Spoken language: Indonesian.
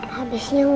habisnya gak ada mama